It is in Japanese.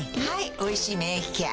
「おいしい免疫ケア」